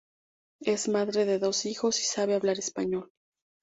Es madre de dos hijos y sabe hablar español.